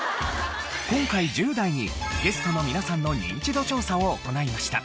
今回１０代にゲストの皆さんのニンチド調査を行いました。